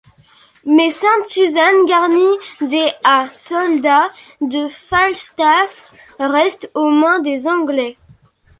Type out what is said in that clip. Mais Sainte-Suzanne, garnie des à soldats de Falstaff, reste aux mains des Anglais.